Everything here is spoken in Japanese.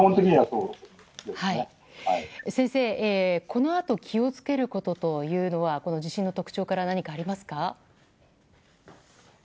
先生、このあと気をつけることはこの地震の特徴から何かありますか？